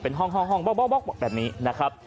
เป็นห้องบ๊อกแบบนี้นะครับ